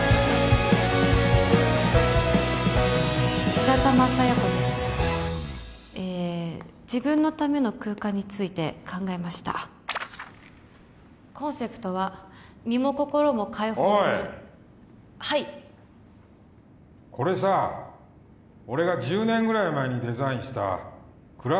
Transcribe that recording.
白玉佐弥子ですえー自分のための空間について考えましたコンセプトは身も心も開放するおいはいこれさ俺が１０年ぐらい前にデザインした蔵前のギャラリーの丸パクリだよね